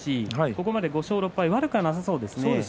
ここまで５勝６敗と悪くはなさそうですね。